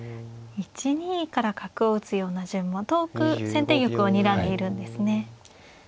１二から角を打つような順も遠く先手玉をにらんでいるんですね。